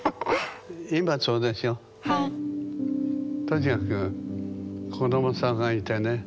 とにかく子どもさんがいてね